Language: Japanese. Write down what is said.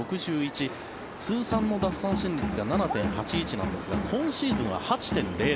通算の奪三振率が７．８１なんですが今シーズンは８．００。